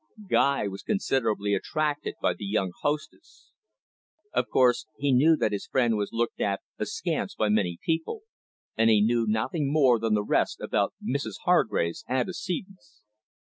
Guy was considerably attracted by the young hostess. Of course, he knew that his friend was looked at askance by many people, and he knew nothing more than the rest about Mrs Hargrave's antecedents.